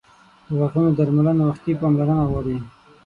• د غاښونو درملنه وختي پاملرنه غواړي.